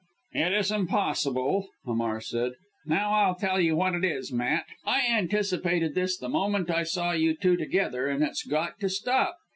"It is impossible," Hamar said. "Now I'll tell you what it is, Matt, I anticipated this the moment I saw you two together, and its got to stop.